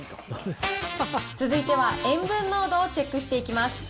続いては塩分濃度をチェックしていきます。